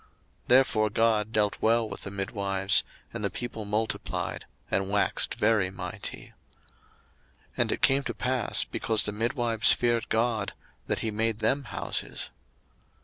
02:001:020 Therefore God dealt well with the midwives: and the people multiplied, and waxed very mighty. 02:001:021 And it came to pass, because the midwives feared God, that he made them houses.